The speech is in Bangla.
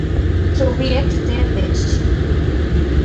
সোভিয়েতদের দেশ।